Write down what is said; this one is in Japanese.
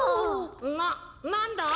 ななんだ？